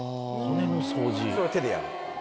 それを手でやる。